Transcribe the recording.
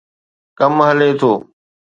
ڪم هلي ٿو.